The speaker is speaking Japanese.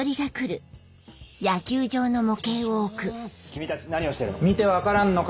君たち何をしてるの？